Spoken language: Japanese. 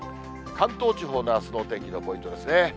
関東地方のあすのお天気のポイントですね。